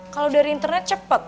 kalau dari internet cepet